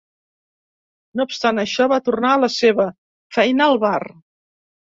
No obstant això, va tornar a la seva feina al bar.